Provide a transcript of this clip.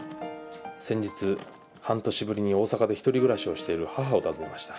先日半年ぶりに大阪でひとり暮らしをしている母を訪ねました。